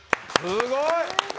すごい！